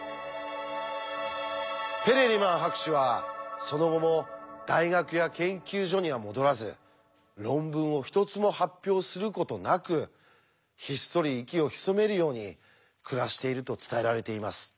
ペレリマン博士はその後も大学や研究所には戻らず論文を一つも発表することなくひっそり息を潜めるように暮らしていると伝えられています。